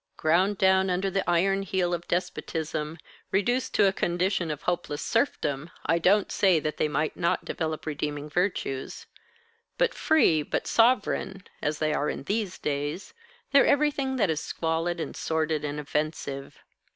Ground down under the iron heel of despotism, reduced to a condition of hopeless serfdom, I don't say that they might not develop redeeming virtues. But free, but sovereign, as they are in these days, they're everything that is squalid and sordid and offensive.